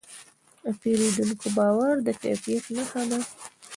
د پیرودونکي باور د کیفیت نښه ده.